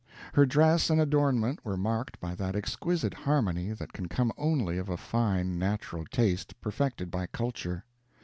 Her dress and adornment were marked by that exquisite harmony that can come only of a fine natural taste perfected by culture.